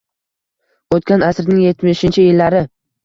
O‘tgan asrning yetmishinchi yillari.